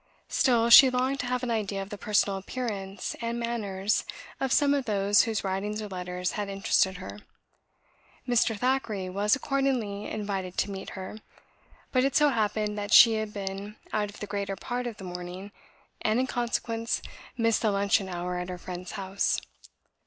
Still, she longed to have an idea of the personal appearance and manners of some of those whose writings or letters had interested her. Mr. Thackeray was accordingly invited to meet her, but it so happened that she had been out for the greater part of the morning, and, in consequence, missed the luncheon hour at her friend's house.